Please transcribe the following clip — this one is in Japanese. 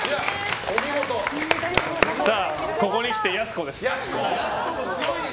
ここに来て、やす子です。